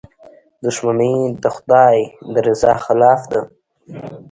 • دښمني د خدای د رضا خلاف ده.